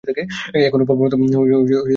এখনো বলবার মতো তেমন কিছু পাচ্ছি না।